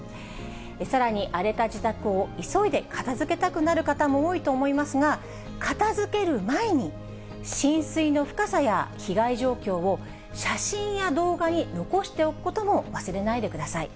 さらに荒れた自宅を急いで片づけたくなる方も多いと思いますが、片づける前に、浸水の深さや被害状況を、写真や動画に残しておくことも忘れないでください。